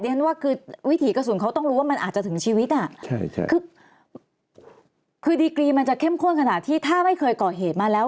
ฉันว่าคือวิถีกระสุนเขาต้องรู้ว่ามันอาจจะถึงชีวิตอ่ะคือดีกรีมันจะเข้มข้นขนาดที่ถ้าไม่เคยก่อเหตุมาแล้ว